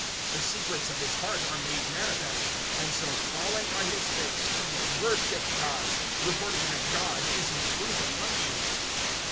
(25)The secrets of his heart are made manifest; and so falling on his face he will worship God, reporting that God is in truth among you.